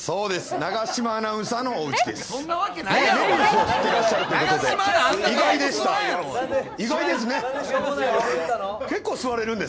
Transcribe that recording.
永島アナウンサーの家です。